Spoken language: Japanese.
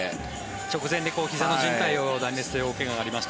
直前でひざのじん帯を断裂という怪我がありました